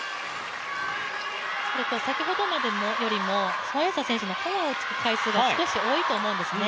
先ほどまでよりも孫エイ莎選手のフォアを打つ回数が多いと思うんですね。